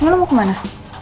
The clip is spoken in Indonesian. lo mau kemana